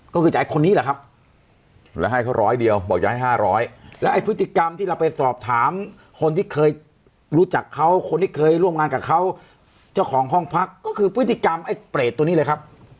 ก็คือพฤติกรรมไอ้เปรตตอนนี้เลยครับ